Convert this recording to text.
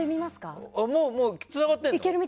もうつながってるの？